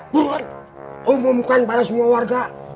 burhan umumkan pada semua warga